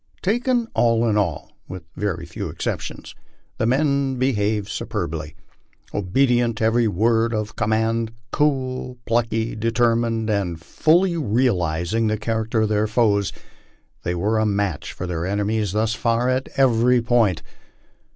Taken all in all, with a very few exceptions, the men behaved superbly. Obedient to every word of command, cool, plucky, determined, and fully real izing the character of their foes, they were a match for their enemies thus far at every point.